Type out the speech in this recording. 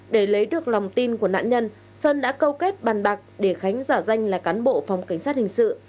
để lấy được lòng tin của nạn nhân sơn đã câu kết bàn bạc để khánh giả danh là cán bộ phòng cảnh sát hình sự